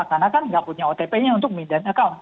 karena kan tidak punya otp nya untuk mendapatkan account